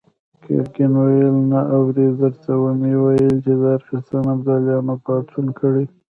ګرګين وويل: نه اورې! درته ومې ويل چې د ارغستان ابداليانو پاڅون کړی.